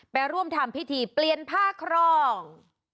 ไปร่วมทำพิธีเปลี่ยนผ้าครอง